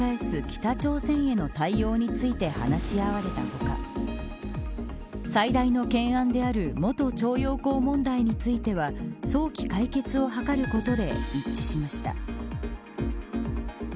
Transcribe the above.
北朝鮮への対応について話し合われた他最大の懸案である元徴用工問題については早期解決を図ることで一致しました。